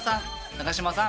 永島さん。